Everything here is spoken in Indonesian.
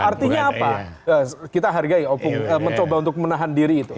artinya apa kita hargai opung mencoba untuk menahan diri itu